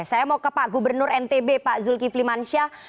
saya mau ke pak gubernur ntb pak zulkifli mansyah